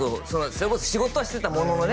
それこそ仕事はしてたもののね